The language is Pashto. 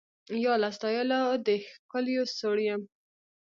یا له ستایلو د ښکلیو سوړ یم